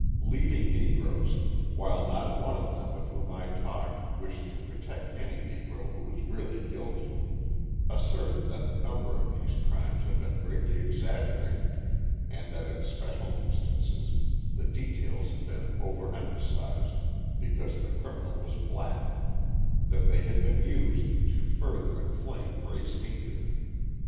Leading Negroes, while not one of them with whom I talked wished to protect any Negro who was really guilty, asserted that the number of these crimes had been greatly exaggerated and that in special instances the details had been over emphasised because the criminal was black; that they had been used to further inflame race hatred.